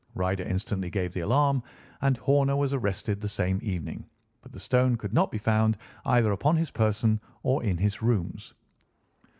Ryder instantly gave the alarm, and Horner was arrested the same evening; but the stone could not be found either upon his person or in his rooms.